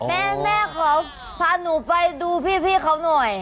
แม่แม่ขอพาหนูไปดูพี่เขาหน่อย